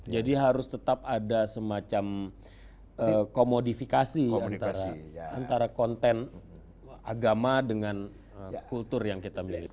jadi harus tetap ada semacam komodifikasi antara konten agama dengan kultur yang kita miliki